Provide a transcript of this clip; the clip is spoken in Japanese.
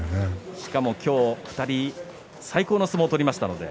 しかも今日２人最高の相撲を取りましたので。